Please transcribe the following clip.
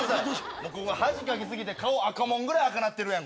もうここ、恥かき過ぎて、赤門ぐらい赤なってるやん。